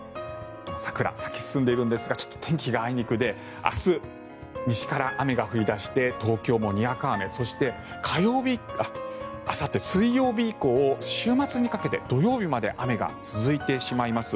桜、咲き進んでいるんですが天気があいにくで明日、西から雨が降り出して東京もにわか雨そして、あさって水曜日以降週末にかけて土曜日まで雨が続いてしまいます。